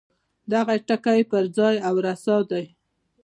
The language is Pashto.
دغه ټکی پر ځای او رسا دی.